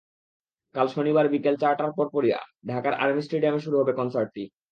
কাল শনিবার বিকাল চারটার পরপরই ঢাকার আর্মি স্টেডিয়ামে শুরু হবে কনসার্টটি।